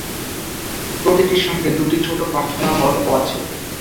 প্রতিটির সঙ্গে দুটি ছোট প্রার্থনা হল ও আছে।